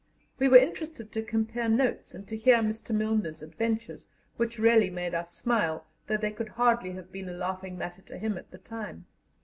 We were interested to compare notes and to hear Mr. Milner's adventures, which really made us smile, though they could hardly have been a laughing matter to him at the time.